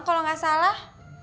kalo gak salah